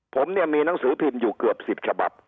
ผมเนี่ยมีหนังสือพิมพ์อยู่เกือบ๑๐ฉบับ